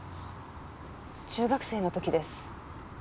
中学生の時です。